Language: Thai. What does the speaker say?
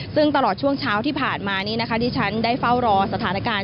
ซึ่งตลอดช่วงเช้าที่ผ่านมานี้นะคะที่ฉันได้เฝ้ารอสถานการณ์